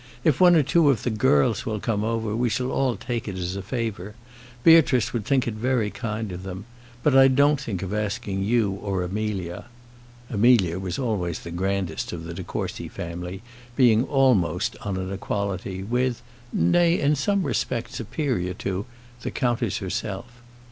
If one or two of the girls will come over, we shall all take it as a favour. Beatrice would think it very kind of them. But I don't think of asking you or Amelia." Amelia was always the grandest of the de Courcy family, being almost on an equality with nay, in some respect superior to the countess herself.